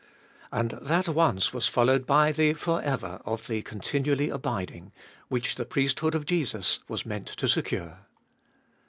And that once was followed by the for ever of the continually abiding, which the priesthood of Jesus was meant to secure.